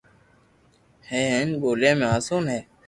ھي ھين ٻوليا ۾ آسون ھي